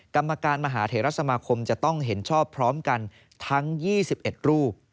กรรมการมหาเทรสมาคมจะต้องเห็นชอบพร้อมกันทั้ง๒๑รูป